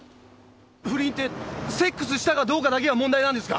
不倫ってセックスしたかどうかだけが問題なんですか？